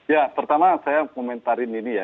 ya pertama saya komentarin ini ya